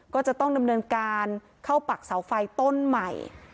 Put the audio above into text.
ก็จะต้องดำเนินการเข้าปักเสาไฟต้นใหม่